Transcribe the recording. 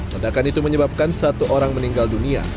ledakan itu menyebabkan satu orang meninggal dunia